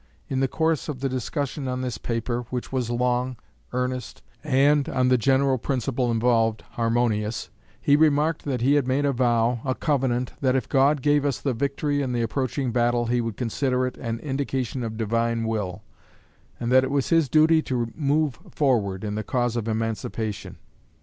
In the course of the discussion on this paper, which was long, earnest, and, on the general principle involved, harmonious, he remarked that he had made a vow, a covenant, that if God gave us the victory in the approaching battle, he would consider it an indication of Divine will, and that it was his duty to move forward in the cause of emancipation.